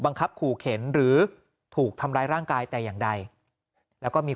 ขู่เข็นหรือถูกทำร้ายร่างกายแต่อย่างใดแล้วก็มี